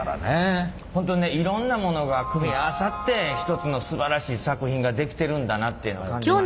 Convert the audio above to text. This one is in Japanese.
本当ねいろんなものが組み合わさって一つのすばらしい作品が出来てるんだなっていうの感じました。